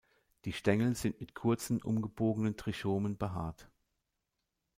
Die Stängel sind mit kurzen, umgebogenen Trichomen behaart.